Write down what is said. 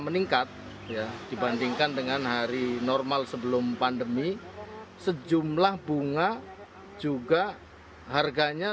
meningkat ya dibandingkan dengan hari normal sebelum pandemi sejumlah bunga juga harganya